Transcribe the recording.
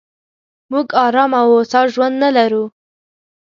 موږ ارام او هوسا ژوند نه لرو.